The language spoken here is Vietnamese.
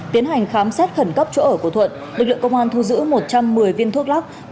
tiến hành khám xét khẩn cấp chỗ ở của thuận lực lượng công an thu giữ một trăm một mươi viên thuốc lắc